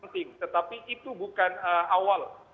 tetapi itu bukan awal